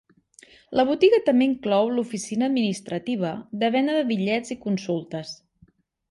La botiga també inclou l'oficina administrativa de venda de bitllets i consultes.